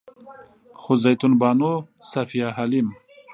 خو زيتون بانو، صفيه حليم